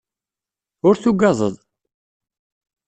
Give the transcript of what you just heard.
Ur tugadeḍ.